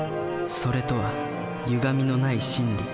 「それ」とはゆがみのない真理。